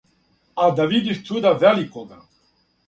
Ал' да видиш чуда великога!